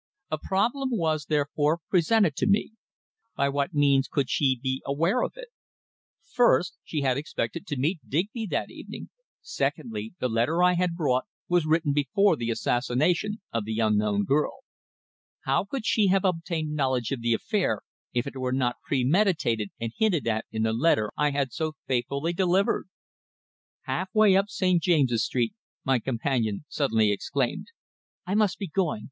A problem was, therefore, presented to me. By what means could she be aware of it? First, she had expected to meet Digby that evening; secondly, the letter I had brought was written before the assassination of the unknown girl. How could she have obtained knowledge of the affair if it were not premeditated and hinted at in the letter I had so faithfully delivered? Half way up St. James's Street my companion suddenly exclaimed: "I must be going!